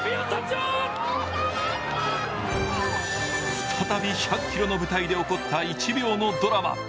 再び１００ｋｍの舞台で起こった１秒のドラマ。